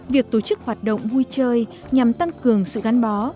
việc tổ chức hoạt động vui chơi nhằm tăng cường sự gắn bó